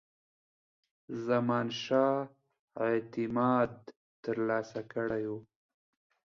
زمانشاه اعتماد ترلاسه کړی وو.